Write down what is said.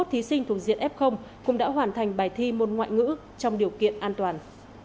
hai mươi thí sinh thuộc diện f cũng đã hoàn thành bài thi môn ngoại ngữ trong điều kiện an toàn